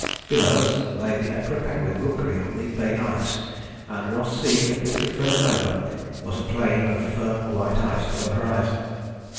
Below us lay the Emperor penguin rookery on the bay ice, and Ross Sea, completely frozen over, was a plain of firm white ice to the horizon.